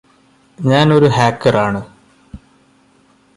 ഞാൻ ഒരു ഹാക്കർ ആണ്